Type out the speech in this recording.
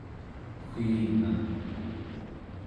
wiinga